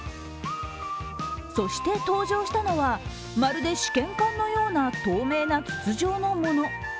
そして、登場したのはまるで試験管のような透明な筒状のもの。